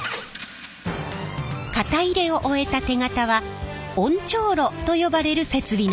型入れを終えた手型は温調炉と呼ばれる設備の中へ。